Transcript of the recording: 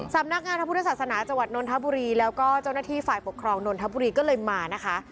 สำนักงานพระพุทธศาสนาจังหวัดนนทบุรีแล้วก็เจ้าหน้าที่ฝ่ายปกครองนนทบุรีก็เลยมานะคะ